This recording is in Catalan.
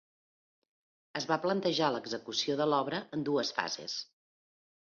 Es va plantejar l'execució de l'obra en dues fases.